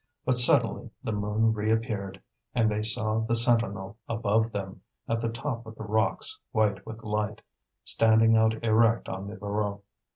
But suddenly the moon reappeared, and they saw the sentinel above them, at the top of the rocks white with light, standing out erect on the Voreux.